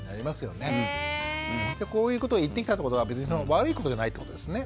こういうことを言ってきたってことは別に悪いことじゃないってことですね。